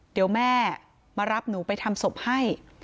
เดี๋ยวแม่มารับหนูไปทำศพให้